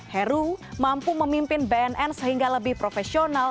heru mampu memimpin bnn sehingga lebih profesional